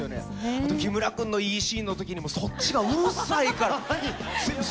あと木村君のいいシーンのときに、そっちがうるさいから。